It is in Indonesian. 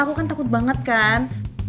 aku kan takut banget kan